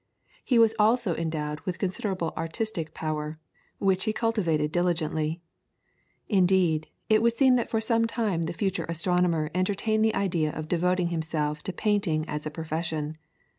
He was also endowed with considerable artistic power, which he cultivated diligently. Indeed, it would seem that for some time the future astronomer entertained the idea of devoting himself to painting as a profession.